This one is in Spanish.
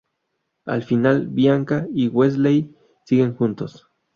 Al final, Bianca y Wesley siguen juntos.